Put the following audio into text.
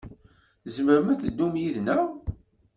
Tzemrem ad teddum yid-neɣ.